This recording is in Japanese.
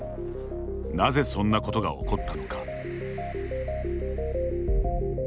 なぜそんなことが起こったのか。